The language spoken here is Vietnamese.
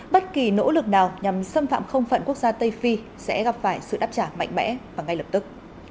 bất kỳ nỗ lực nào nhằm xâm phạm không phận quốc gia tây phi sẽ gặp phải sự đáp trả mạnh mẽ và ngay lập tức